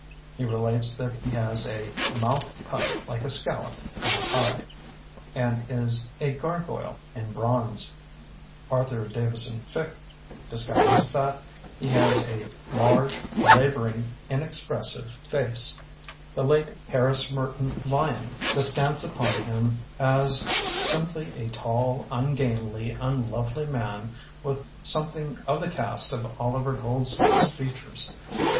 He relates that he has a "mouth cut like a scallop in a pie", and is "a gargoyle in bronze". Arthur Davison Ficke discovers that he has a "large laboring inexpressive Theodore Dreiser SketeUd ly George Lulu 30 THE BOOKMAN face". The late Harris Merton Lyon descants upon him as "simply a tall, ungainly, unlovely man with some thing of the cast of Oliver Goldsmith's features.